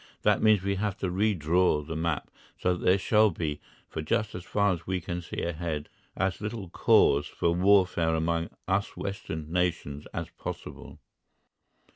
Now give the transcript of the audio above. That means that we have to re draw the map so that there shall be, for just as far as we can see ahead, as little cause for warfare among us Western nations as possible.